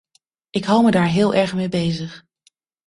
Ik houd me daar heel erg mee bezig.